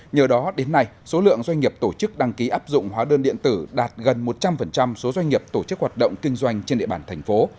nhờ đó đến nay số lượng doanh nghiệp tổ chức đăng ký áp dụng hóa đơn điện tử đạt gần một trăm linh số doanh nghiệp tổ chức hoạt động kinh doanh trên địa bàn thành phố